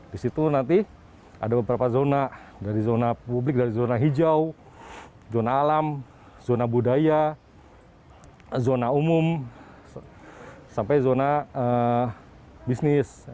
di situ nanti ada beberapa zona dari zona publik dari zona hijau zona alam zona budaya zona umum sampai zona bisnis